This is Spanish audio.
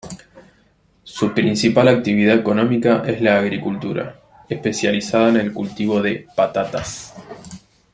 Su principal actividad económica es la agricultura, especializada en el cultivo de patatas.